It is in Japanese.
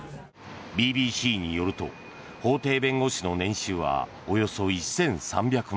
ＢＢＣによると法廷弁護士の年収はおよそ１３００万円。